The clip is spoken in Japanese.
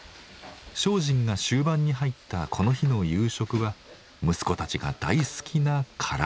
精進が終盤に入ったこの日の夕食は息子たちが大好きなから揚げ。